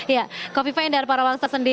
ya kofifah yang dari para wangsa sendiri